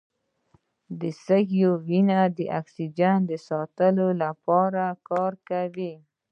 سږي د وینې د اکسیجن ساتلو لپاره کار کوي.